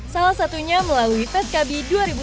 salah satunya melalui feskabi dua ribu dua puluh